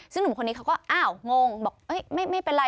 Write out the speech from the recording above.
ซึ่งหนุ่มคนนี้เขาก็อ้าวงงบอกไม่เป็นไร